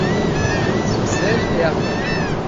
Son siège est Hardin.